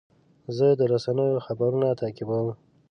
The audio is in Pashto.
زه د رسنیو خبرونه تعقیبوم.